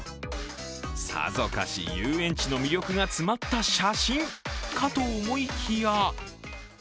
さぞかし遊園地の魅力が詰まった写真かと思いきや。